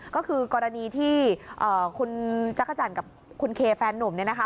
ก็คือกรณีที่คุณจักรจันทร์กับคุณเคแฟนนุ่มเนี่ยนะคะ